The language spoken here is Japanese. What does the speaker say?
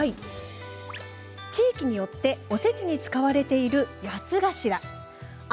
地域によっておせちに使われる八つ頭。